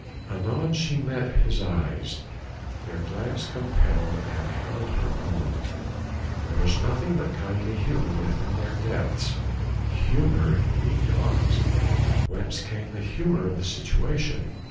Anon she met his eyes; their glance compelled and held her own. There was nothing but kindly humour within their depths. Humour, ye gods! whence came the humour of the situation!